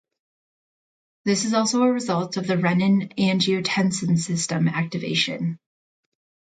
This is also a result of the renin-angiotensin system activation.